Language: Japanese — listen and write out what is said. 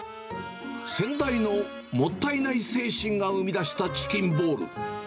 先代のもったいない精神が生み出したチキンボール。